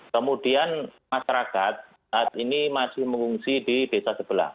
kemudian masyarakat saat ini masih mengungsi di desa sebelah